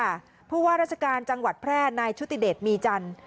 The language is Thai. เพราะว่าราชการจังหวัดแพร่นายชุติเดชมีจันทร์